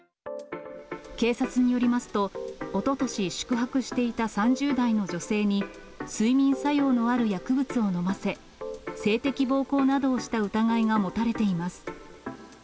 警察によりますと、おととし宿泊していた３０代の女性に、睡眠作用のある薬物を飲ませ、性的暴行などをした疑いが持たれています。